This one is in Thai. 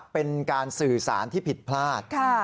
เป็นการสื่อสารที่ผิดพลาด